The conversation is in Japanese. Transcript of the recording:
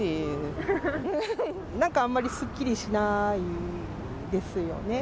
なんかあんまりすっきりしないですよね。